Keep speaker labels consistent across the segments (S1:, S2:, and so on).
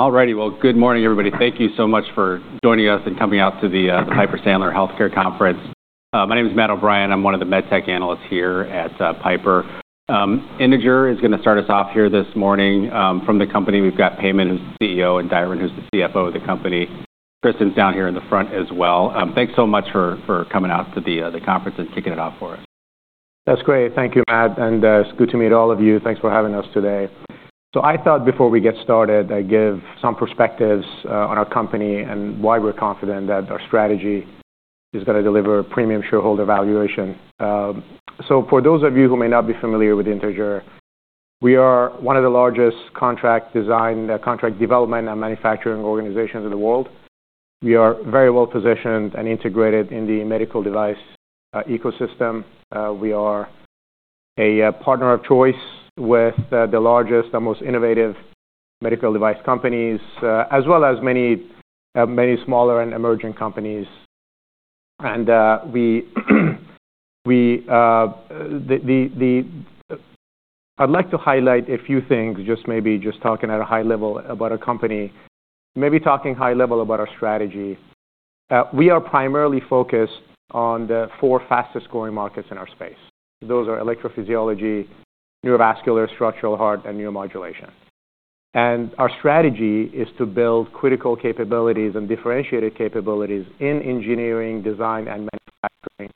S1: All righty. Good morning, everybody. Thank you so much for joining us and coming out to the Piper Sandler Healthcare Conference. My name is Matt O'Brien. I'm one of the med tech analysts here at Piper. Integer is going to start us off here this morning from the company. We've got Payman, who's the CEO, and Diron, who's the CFO of the company. Kristen's down here in the front as well. Thanks so much for coming out to the conference and kicking it off for us.
S2: That's great. Thank you, Matt. It's good to meet all of you. Thanks for having us today. I thought before we get started, I'd give some perspectives on our company and why we're confident that our strategy is going to deliver premium shareholder valuation. For those of you who may not be familiar with Integer, we are one of the largest contract design, contract development, and manufacturing organizations in the world. We are very well positioned and integrated in the medical device ecosystem. We are a partner of choice with the largest, the most innovative medical device companies, as well as many smaller and emerging companies. I'd like to highlight a few things, just maybe just talking at a high level about our company, maybe talking high level about our strategy. We are primarily focused on the four fastest growing markets in our space. Those are electrophysiology, neurovascular, structural heart, and neuromodulation. Our strategy is to build critical capabilities and differentiated capabilities in engineering, design, and manufacturing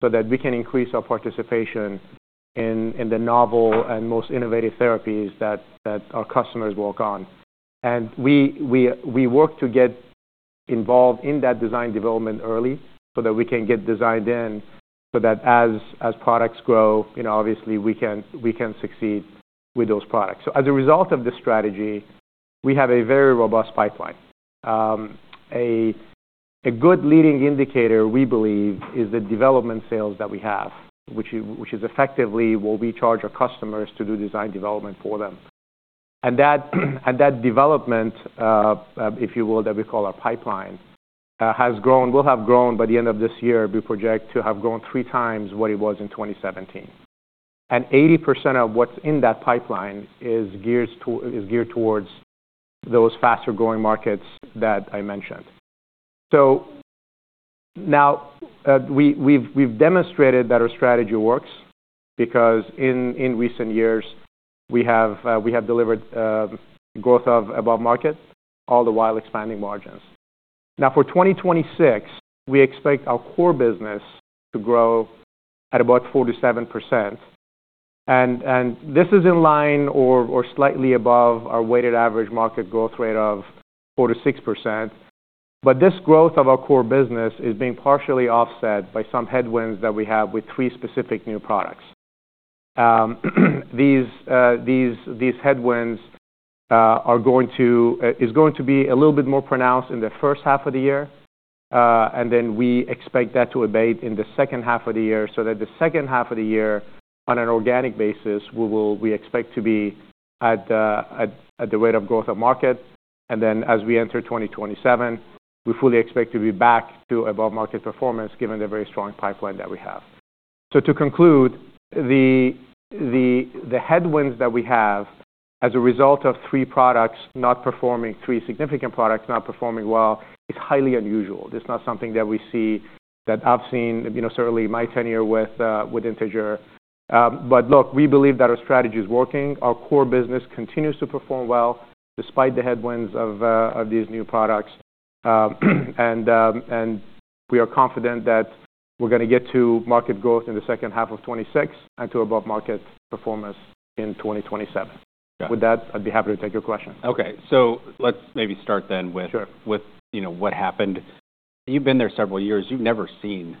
S2: so that we can increase our participation in the novel and most innovative therapies that our customers work on. We work to get involved in that design development early so that we can get designed in so that as products grow, obviously, we can succeed with those products. As a result of this strategy, we have a very robust pipeline. A good leading indicator, we believe, is the development sales that we have, which is effectively what we charge our customers to do design development for them. That development, if you will, that we call our pipeline, has grown. We will have grown by the end of this year, we project to have grown 3x what it was in 2017. Eighty percent of what's in that pipeline is geared towards those faster growing markets that I mentioned. Now we've demonstrated that our strategy works because in recent years, we have delivered growth above market all the while expanding margins. For 2026, we expect our core business to grow at about 4%-7%. This is in line or slightly above our weighted average market growth rate of 4%-6%. This growth of our core business is being partially offset by some headwinds that we have with three specific new products. These headwinds are going to be a little bit more pronounced in the first half of the year. We expect that to abate in the second half of the year so that the second half of the year, on an organic basis, we expect to be at the rate of growth of market. As we enter 2027, we fully expect to be back to above market performance given the very strong pipeline that we have. To conclude, the headwinds that we have as a result of three products not performing, three significant products not performing well, are highly unusual. It is not something that we see, that I have seen, certainly in my tenure with Integer. We believe that our strategy is working. Our core business continues to perform well despite the headwinds of these new products. We are confident that we are going to get to market growth in the second half of 2026 and to above market performance in 2027. With that, I would be happy to take your questions.
S1: Okay. Let's maybe start then with what happened. You've been there several years. You've never seen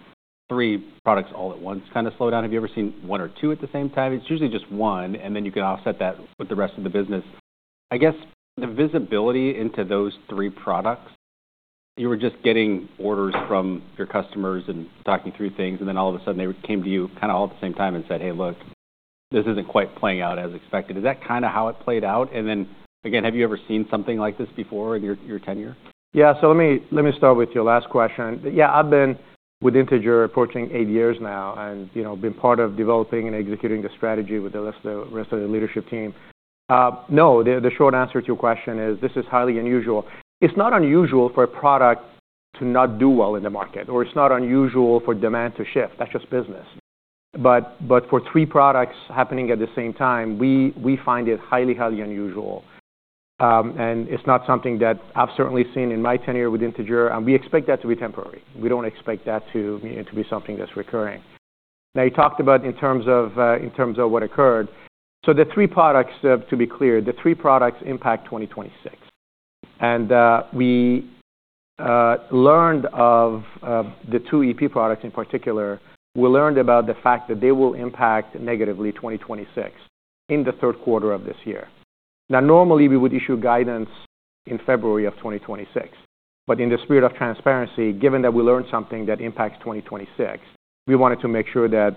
S1: three products all at once kind of slow down. Have you ever seen one or two at the same time? It's usually just one, and then you can offset that with the rest of the business. I guess the visibility into those three products, you were just getting orders from your customers and talking through things, and then all of a sudden they came to you kind of all at the same time and said, "Hey, look, this isn't quite playing out as expected." Is that kind of how it played out? Again, have you ever seen something like this before in your tenure?
S2: Yeah. Let me start with your last question. Yeah, I've been with Integer approaching eight years now and been part of developing and executing the strategy with the rest of the leadership team. No, the short answer to your question is this is highly unusual. It's not unusual for a product to not do well in the market, or it's not unusual for demand to shift. That's just business. For three products happening at the same time, we find it highly, highly unusual. It's not something that I've certainly seen in my tenure with Integer, and we expect that to be temporary. We don't expect that to be something that's recurring. You talked about in terms of what occurred. The three products, to be clear, the three products impact 2026. We learned of the two EP products in particular. We learned about the fact that they will impact negatively 2026 in the third quarter of this year. Now, normally we would issue guidance in February of 2026. In the spirit of transparency, given that we learned something that impacts 2026, we wanted to make sure that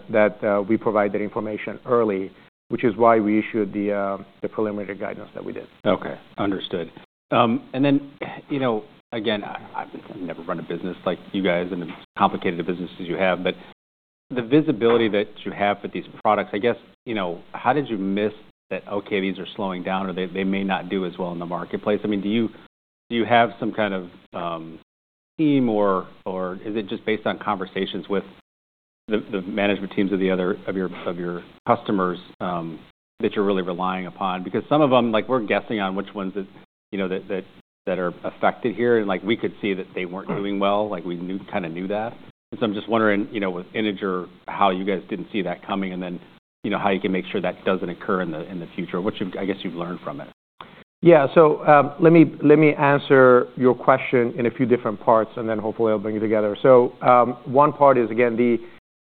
S2: we provide that information early, which is why we issued the preliminary guidance that we did.
S1: Okay. Understood. I have never run a business like you guys and the complicated businesses you have, but the visibility that you have for these products, I guess, how did you miss that, okay, these are slowing down or they may not do as well in the marketplace? I mean, do you have some kind of team or is it just based on conversations with the management teams of your customers that you are really relying upon? Because some of them, we are guessing on which ones that are affected here. We could see that they were not doing well. We kind of knew that. I am just wondering with Integer how you guys did not see that coming and then how you can make sure that does not occur in the future, which I guess you have learned from it.
S2: Yeah. Let me answer your question in a few different parts, and then hopefully I'll bring it together. One part is, again,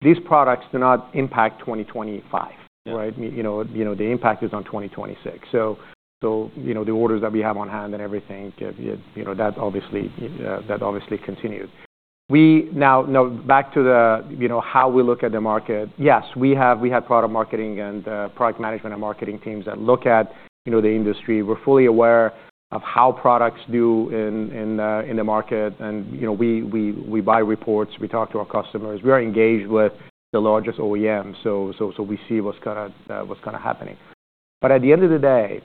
S2: these products do not impact 2025, right? The impact is on 2026. The orders that we have on hand and everything, that obviously continues. Now, back to how we look at the market, yes, we have product marketing and product management and marketing teams that look at the industry. We're fully aware of how products do in the market. We buy reports. We talk to our customers. We are engaged with the largest OEM, so we see what's kind of happening. At the end of the day,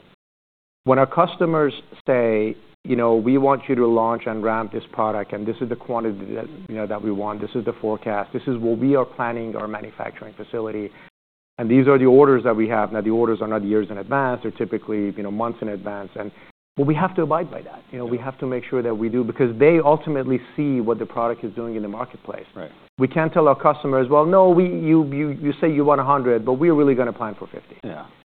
S2: when our customers say, "We want you to launch and ramp this product, and this is the quantity that we want. This is the forecast. This is what we are planning our manufacturing facility. These are the orders that we have. The orders are not years in advance. They're typically months in advance. We have to abide by that. We have to make sure that we do because they ultimately see what the product is doing in the marketplace. We can't tell our customers, "You say you want 100, but we're really going to plan for 50."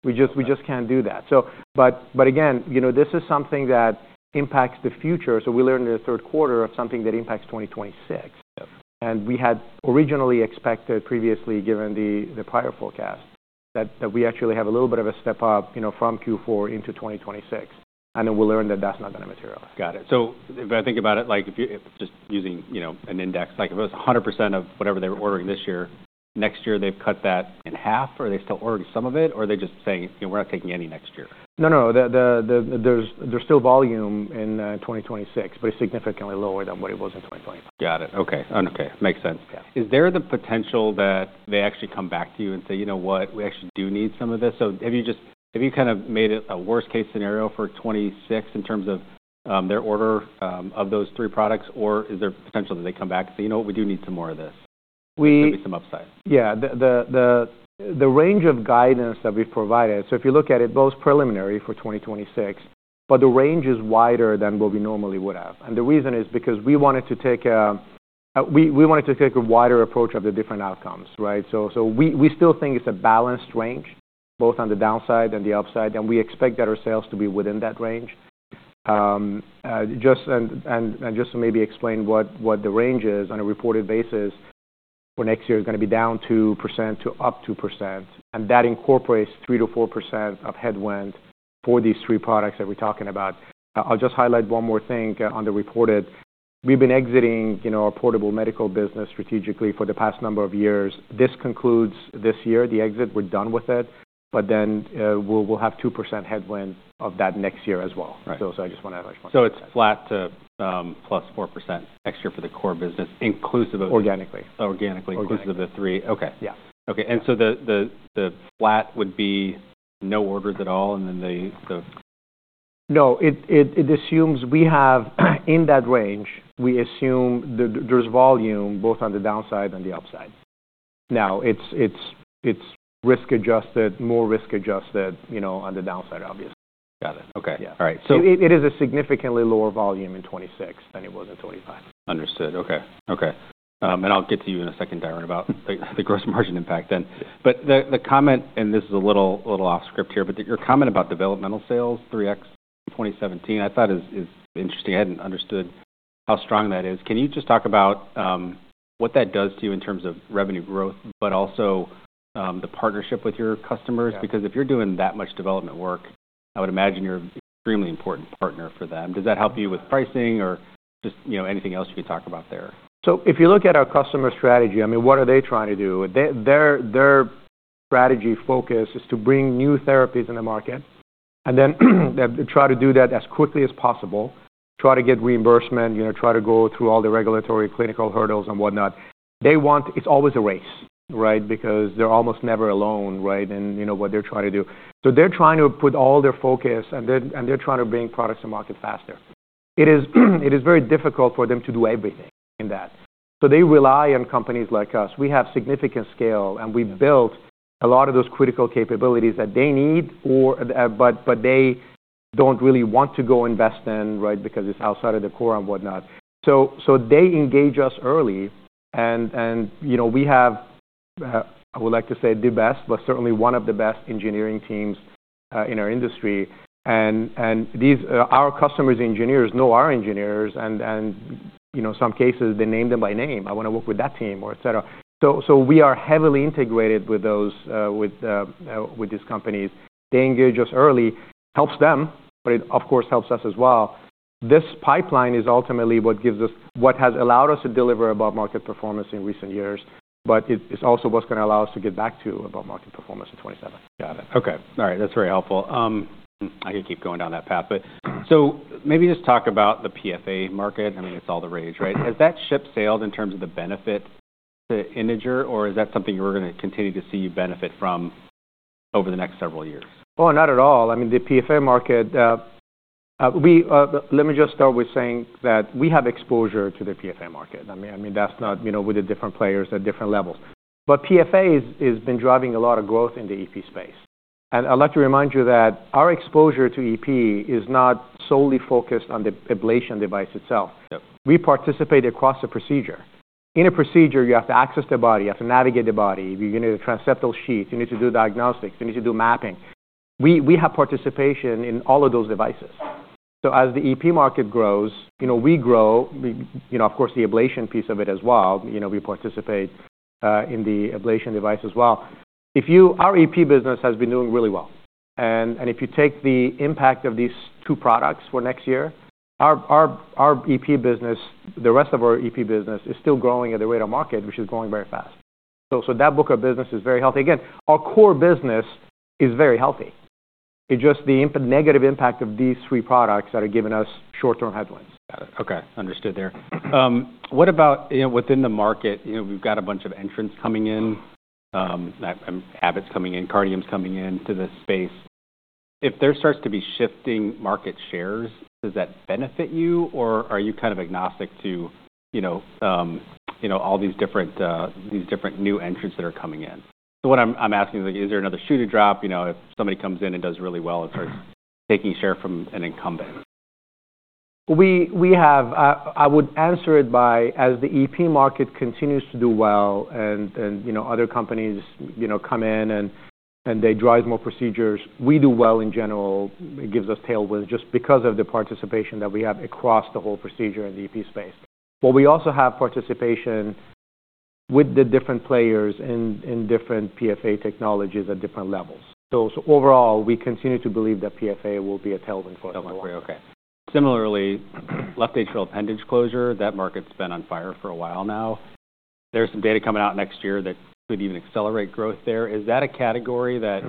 S2: We just can't do that. This is something that impacts the future. We learned in the third quarter of something that impacts 2026. We had originally expected previously, given the prior forecast, that we actually have a little bit of a step up from Q4 into 2026. We learned that that's not going to materialize.
S1: Got it. If I think about it, just using an index, if it was 100% of whatever they were ordering this year, next year they've cut that in half, or are they still ordering some of it, or are they just saying, "We're not taking any next year?
S2: No, no. There's still volume in 2026, but it's significantly lower than what it was in 2020.
S1: Got it. Okay. Okay. Makes sense. Is there the potential that they actually come back to you and say, "You know what? We actually do need some of this"? Have you kind of made a worst-case scenario for 2026 in terms of their order of those three products, or is there potential that they come back and say, "You know what? We do need some more of this. There could be some upside"?
S2: Yeah. The range of guidance that we provided, if you look at it, both preliminary for 2026, the range is wider than what we normally would have. The reason is because we wanted to take a wider approach of the different outcomes, right? We still think it's a balanced range, both on the downside and the upside. We expect that our sales to be within that range. Just to maybe explain what the range is on a reported basis, for next year it's going to be down 2% to up 2%. That incorporates 3%-4% of headwind for these three products that we're talking about. I'll just highlight one more thing on the reported. We've been exiting our portable medical business strategically for the past number of years. This concludes this year, the exit. We're done with it. Then we'll have 2% headwind of that next year as well. I just want to.
S1: It's flat to +4% next year for the core business, inclusive of.
S2: Organically.
S1: Organically, inclusive of the three. Okay. Okay. The flat would be no orders at all, and then the.
S2: No, we have in that range, we assume there's volume both on the downside and the upside. Now, it's risk-adjusted, more risk-adjusted on the downside, obviously.
S1: Got it. Okay. All right. So.
S2: It is a significantly lower volume in 2026 than it was in 2025.
S1: Understood. Okay. Okay. I'll get to you in a second, Diron, about the gross margin impact then. The comment, and this is a little off script here, but your comment about developmental sales, 3x in 2017, I thought is interesting. I hadn't understood how strong that is. Can you just talk about what that does to you in terms of revenue growth, but also the partnership with your customers? Because if you're doing that much development work, I would imagine you're an extremely important partner for them. Does that help you with pricing or just anything else you can talk about there?
S2: If you look at our customer strategy, I mean, what are they trying to do? Their strategy focus is to bring new therapies in the market and then try to do that as quickly as possible, try to get reimbursement, try to go through all the regulatory clinical hurdles and whatnot. It's always a race, right, because they're almost never alone, right, in what they're trying to do. They're trying to put all their focus, and they're trying to bring products to market faster. It is very difficult for them to do everything in that. They rely on companies like us. We have significant scale, and we built a lot of those critical capabilities that they need, but they don't really want to go invest in, right, because it's outside of the core and whatnot. They engage us early. We have, I would like to say, the best, but certainly one of the best engineering teams in our industry. Our customers' engineers know our engineers. In some cases, they name them by name, "I want to work with that team," etc. We are heavily integrated with these companies. They engage us early. It helps them, but it, of course, helps us as well. This pipeline is ultimately what has allowed us to deliver above market performance in recent years, but it is also what is going to allow us to get back to above market performance in 2027.
S1: Got it. Okay. All right. That's very helpful. I could keep going down that path. Maybe just talk about the PFA market. I mean, it's all the rage, right? Has that ship sailed in terms of the benefit to Integer, or is that something you're going to continue to see you benefit from over the next several years?
S2: Oh, not at all. I mean, the PFA market, let me just start with saying that we have exposure to the PFA market. I mean, that's not with the different players at different levels. PFA has been driving a lot of growth in the EP space. I’d like to remind you that our exposure to EP is not solely focused on the ablation device itself. We participate across the procedure. In a procedure, you have to access the body. You have to navigate the body. You need a transseptal sheath. You need to do diagnostics. You need to do mapping. We have participation in all of those devices. As the EP market grows, we grow, of course, the ablation piece of it as well. We participate in the ablation device as well. Our EP business has been doing really well. If you take the impact of these two products for next year, our EP business, the rest of our EP business is still growing at the rate of market, which is growing very fast. That book of business is very healthy. Again, our core business is very healthy. It is just the negative impact of these three products that are giving us short-term headwinds.
S1: Got it. Okay. Understood there. What about within the market? We've got a bunch of entrants coming in, Abbott's coming in, Kardium's coming into the space. If there starts to be shifting market shares, does that benefit you, or are you kind of agnostic to all these different new entrants that are coming in? What I'm asking is, is there another shoe to drop if somebody comes in and does really well and starts taking share from an incumbent?
S2: I would answer it by, as the EP market continues to do well and other companies come in and they drive more procedures, we do well in general. It gives us tailwinds just because of the participation that we have across the whole procedure in the EP space. We also have participation with the different players in different PFA technologies at different levels. Overall, we continue to believe that PFA will be a tailwind for us.
S1: Tailwind for you. Okay. Similarly, left atrial appendage closure, that market's been on fire for a while now. There's some data coming out next year that could even accelerate growth there. Is that a category that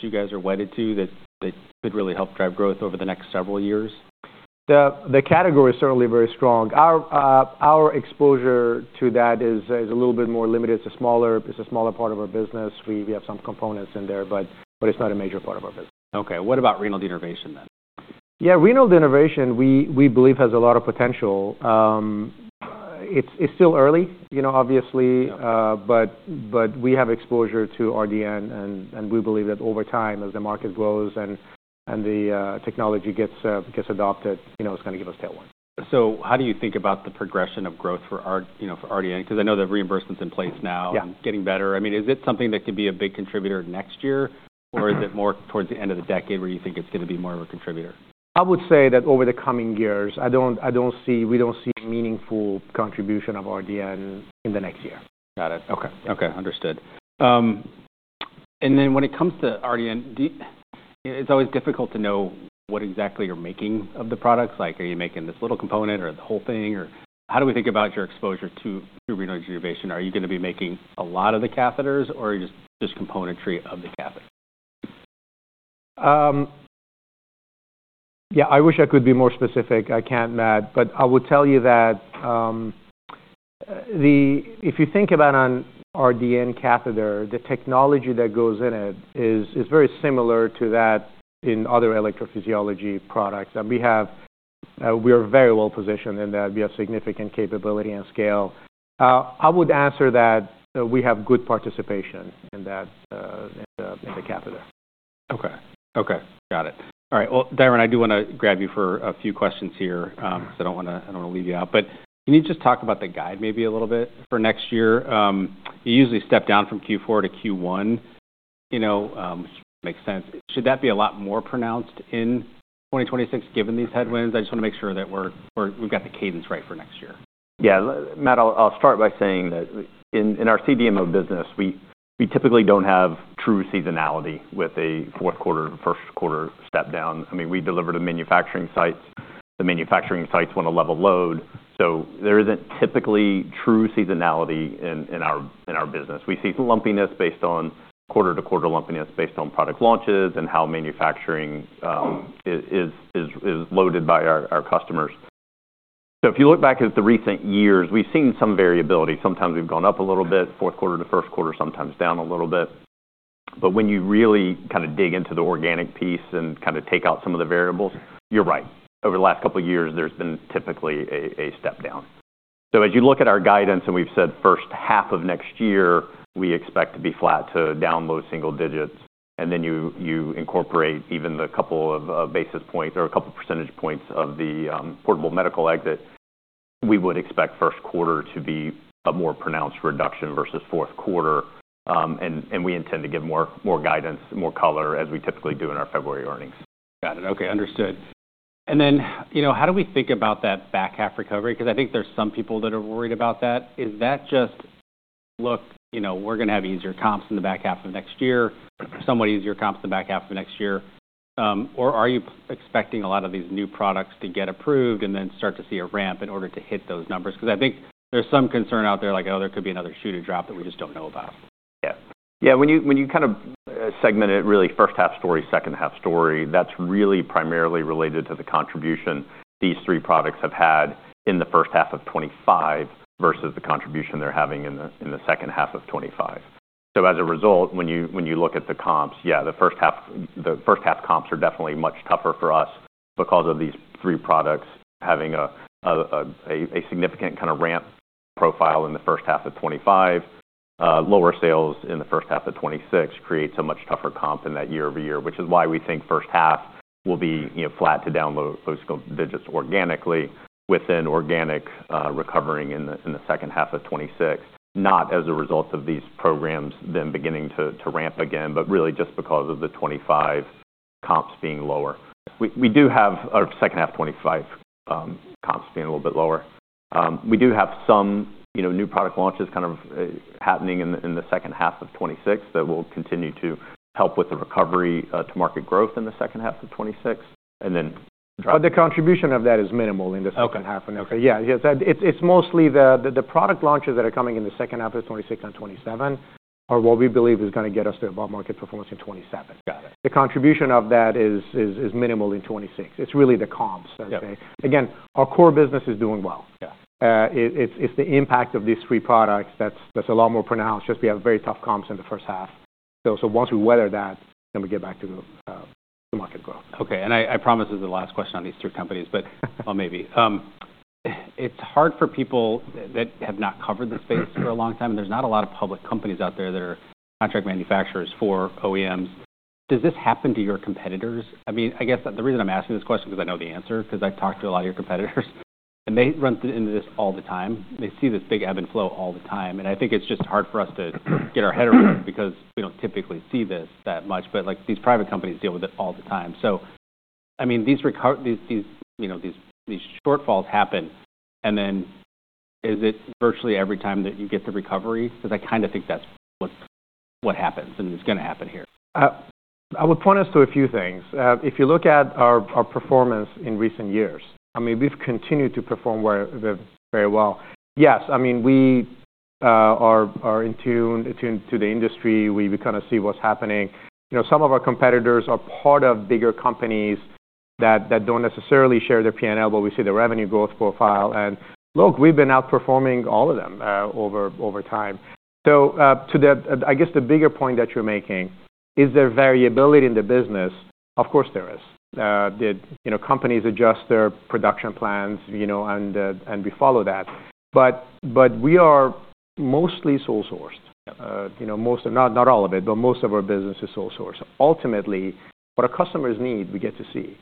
S1: you guys are wedded to that could really help drive growth over the next several years?
S2: The category is certainly very strong. Our exposure to that is a little bit more limited. It is a smaller part of our business. We have some components in there, but it is not a major part of our business.
S1: Okay. What about renal denervation then?
S2: Yeah. Renal denervation, we believe, has a lot of potential. It's still early, obviously, but we have exposure to RDN. We believe that over time, as the market grows and the technology gets adopted, it's going to give us tailwinds.
S1: How do you think about the progression of growth for RDN? Because I know the reimbursement's in place now, getting better. I mean, is it something that could be a big contributor next year, or is it more towards the end of the decade where you think it's going to be more of a contributor?
S2: I would say that over the coming years, we don't see a meaningful contribution of RDN in the next year.
S1: Got it. Okay. Okay. Understood. When it comes to RDN, it's always difficult to know what exactly you're making of the products. Are you making this little component or the whole thing? How do we think about your exposure to renal denervation? Are you going to be making a lot of the catheters, or just componentry of the catheter?
S2: Yeah. I wish I could be more specific. I can't, Matt. I will tell you that if you think about an RDN catheter, the technology that goes in it is very similar to that in other electrophysiology products. We are very well positioned in that. We have significant capability and scale. I would answer that we have good participation in that catheter.
S1: Okay. Okay. Got it. All right. Diron, I do want to grab you for a few questions here because I do not want to leave you out. Can you just talk about the guide maybe a little bit for next year? You usually step down from Q4 to Q1, which makes sense. Should that be a lot more pronounced in 2026 given these headwinds? I just want to make sure that we have got the cadence right for next year.
S3: Yeah. Matt, I'll start by saying that in our CDMO business, we typically don't have true seasonality with a fourth quarter and first quarter step down. I mean, we deliver to manufacturing sites. The manufacturing sites want to level load. There isn't typically true seasonality in our business. We see some lumpiness based on quarter-to-quarter lumpiness based on product launches and how manufacturing is loaded by our customers. If you look back at the recent years, we've seen some variability. Sometimes we've gone up a little bit, fourth quarter to first quarter, sometimes down a little bit. When you really kind of dig into the organic piece and kind of take out some of the variables, you're right. Over the last couple of years, there's been typically a step down. As you look at our guidance, and we've said first half of next year, we expect to be flat to down low single digits. Then you incorporate even a couple of basis points or a couple of percentage points of the portable medical exit. We would expect first quarter to be a more pronounced reduction versus fourth quarter. We intend to give more guidance, more color, as we typically do in our February earnings.
S1: Got it. Okay. Understood. How do we think about that back half recovery? I think there's some people that are worried about that. Is that just, "Look, we're going to have easier comps in the back half of next year, somewhat easier comps in the back half of next year"? Are you expecting a lot of these new products to get approved and then start to see a ramp in order to hit those numbers? I think there's some concern out there, like, "Oh, there could be another shoe to drop that we just don't know about.
S3: Yeah. Yeah. When you kind of segment it really first half story, second half story, that's really primarily related to the contribution these three products have had in the first half of 2025 versus the contribution they're having in the second half of 2025. As a result, when you look at the comps, yeah, the first half comps are definitely much tougher for us because of these three products having a significant kind of ramp profile in the first half of 2025. Lower sales in the first half of 2026 creates a much tougher comp in that year over year, which is why we think first half will be flat to down low digits organically with organic recovering in the second half of 2026, not as a result of these programs then beginning to ramp again, but really just because of the 2025 comps being lower. We do have our second half 2025 comps being a little bit lower. We do have some new product launches kind of happening in the second half of 2026 that will continue to help with the recovery to market growth in the second half of 2026 and then drive.
S2: The contribution of that is minimal in the second half. Yeah, it's mostly the product launches that are coming in the second half of 2026 and 2027 are what we believe is going to get us to above market performance in 2027. The contribution of that is minimal in 2026. It's really the comps. Again, our core business is doing well. It's the impact of these three products that's a lot more pronounced. We have very tough comps in the first half. Once we weather that, then we get back to market growth.
S1: Okay. I promise this is the last question on these three companies, but maybe. It's hard for people that have not covered the space for a long time. There's not a lot of public companies out there that are contract manufacturers for OEMs. Does this happen to your competitors? I guess the reason I'm asking this question is because I know the answer, because I've talked to a lot of your competitors, and they run into this all the time. They see this big ebb and flow all the time. I think it's just hard for us to get our head around because we don't typically see this that much. These private companies deal with it all the time. I mean, these shortfalls happen. Then is it virtually every time that you get the recovery? Because I kind of think that's what happens and is going to happen here.
S2: I would point us to a few things. If you look at our performance in recent years, I mean, we've continued to perform very well. Yes. I mean, we are in tune to the industry. We kind of see what's happening. Some of our competitors are part of bigger companies that do not necessarily share their P&L, but we see the revenue growth profile. Look, we've been outperforming all of them over time. I guess the bigger point that you're making is there variability in the business? Of course, there is. Companies adjust their production plans, and we follow that. We are mostly sole sourced. Not all of it, but most of our business is sole sourced. Ultimately, what our customers need, we get to see.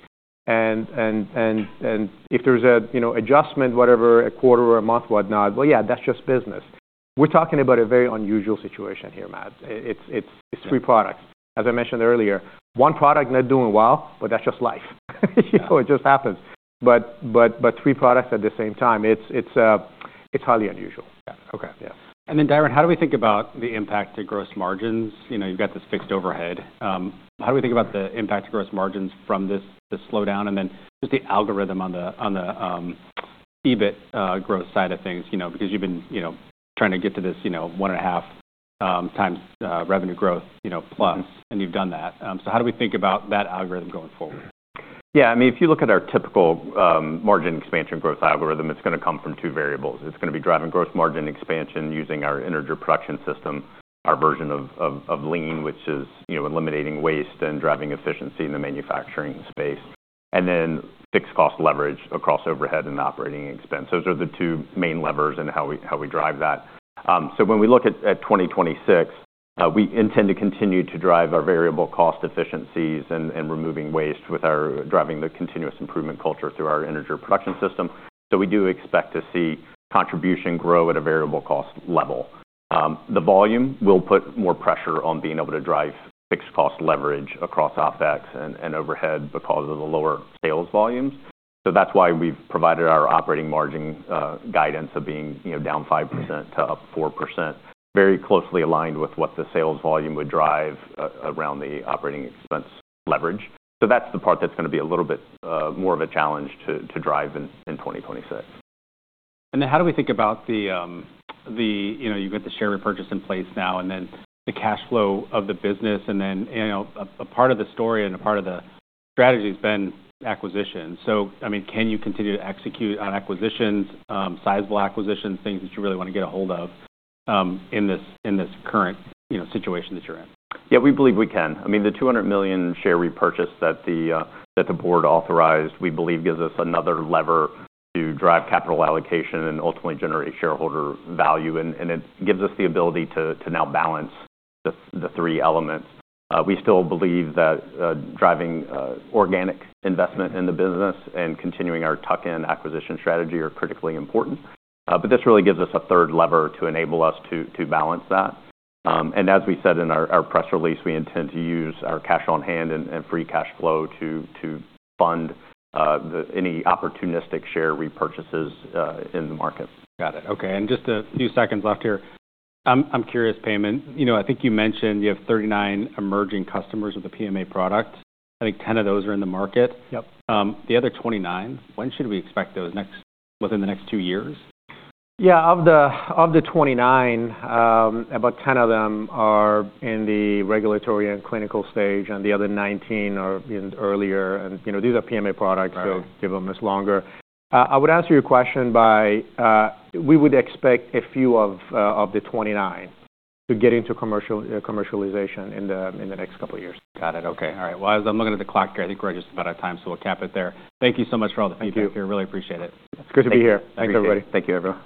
S2: If there's an adjustment, whatever, a quarter or a month, whatnot, yeah, that's just business. We're talking about a very unusual situation here, Matt. It's three products. As I mentioned earlier, one product not doing well, but that's just life. It just happens. Three products at the same time, it's highly unusual.
S1: Yeah. Okay. Diron, how do we think about the impact to gross margins? You've got this fixed overhead. How do we think about the impact to gross margins from this slowdown? Just the algorithm on the EBIT growth side of things because you've been trying to get to this 1.5x revenue growth plus, and you've done that. How do we think about that algorithm going forward?
S3: Yeah. I mean, if you look at our typical margin expansion growth algorithm, it's going to come from two variables. It's going to be driving gross margin expansion using our Integer Production System, our version of lean, which is eliminating waste and driving efficiency in the manufacturing space. Then fixed cost leverage across overhead and operating expense. Those are the two main levers and how we drive that. When we look at 2026, we intend to continue to drive our variable cost efficiencies and removing waste with our driving the continuous improvement culture through our Integer Production System. We do expect to see contribution grow at a variable cost level. The volume will put more pressure on being able to drive fixed cost leverage across OpEx and overhead because of the lower sales volumes. That's why we've provided our operating margin guidance of being down 5% to up 4%, very closely aligned with what the sales volume would drive around the operating expense leverage. That's the part that's going to be a little bit more of a challenge to drive in 2026.
S1: How do we think about the, you've got the share repurchase in place now and then the cash flow of the business. A part of the story and a part of the strategy has been acquisitions. I mean, can you continue to execute on acquisitions, sizable acquisitions, things that you really want to get a hold of in this current situation that you're in?
S3: Yeah. We believe we can. I mean, the $200 million share repurchase that the board authorized, we believe, gives us another lever to drive capital allocation and ultimately generate shareholder value. It gives us the ability to now balance the three elements. We still believe that driving organic investment in the business and continuing our tuck-in acquisition strategy are critically important. This really gives us a third lever to enable us to balance that. As we said in our press release, we intend to use our cash on hand and free cash flow to fund any opportunistic share repurchases in the market.
S1: Got it. Okay. Just a few seconds left here. I'm curious, Payman. I think you mentioned you have 39 emerging customers of the PMA product. I think 10 of those are in the market. The other 29, when should we expect those within the next two years?
S2: Yeah. Of the 29, about 10 of them are in the regulatory and clinical stage, and the other 19 are earlier. These are PMA products, so give them as longer. I would answer your question by we would expect a few of the 29 to get into commercialization in the next couple of years.
S1: Got it. Okay. All right. As I'm looking at the clock here, I think we're just about out of time. We'll cap it there. Thank you so much for all the feedback here. Really appreciate it.
S2: It's good to be here. Thanks, everybody.
S1: Thank you, everyone.